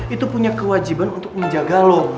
itu punya kewajiban untuk menjaga loh